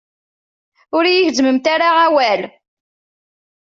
Ur yi-gezzmemt ara awal.